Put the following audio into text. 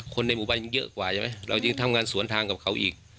คนในหมู่บ้านยังเยอะกว่าใช่ไหมเรายังทำงานสวนทางกับเขาอีก